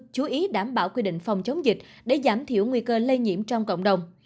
chú ý đảm bảo quy định phòng chống dịch để giảm thiểu nguy cơ lây nhiễm trong cộng đồng